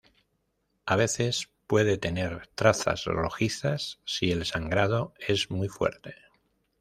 A veces puede tener trazas rojizas si el sangrado es muy fuerte.